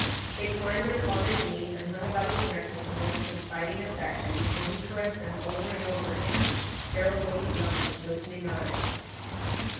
They climbed their father's knees and hung about his neck with the most confiding affection, while he caressed them over and over again, Harold looking on with glistening eyes.